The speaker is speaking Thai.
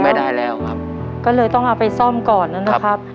ไม่ได้แล้วครับก็เลยต้องเอาไปซ่อมก่อนนะครับ